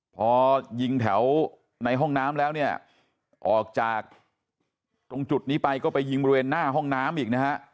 พอยิงแถวในห้องน้ำแล้วเนี่ยออกจากตรงจุดนี้ไปก็ไปยิงบริเวณหน้าห้องน้ำอีกนะฮะ